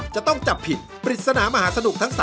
จะต้องจับผิดปริศนามหาสนุกทั้ง๓